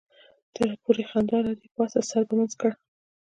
تا پوری خندا راځي پاڅه سر ګمنځ کړه.